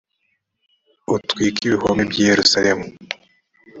utwike ibihome by i yerusalemu